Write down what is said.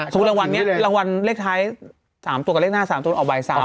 รางวัลนี้รางวัลเลขท้าย๓ตัวกับเลขหน้า๓ตัวออกบ่าย๓